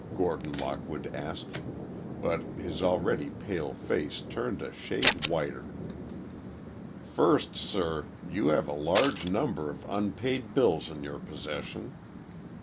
Gordon Lockwood asked, but his already pale face turned a shade whiter. "First, sir, you have a large number of unpaid bills in your possession."